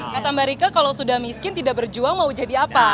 kata mbak rika kalau sudah miskin tidak berjuang mau jadi apa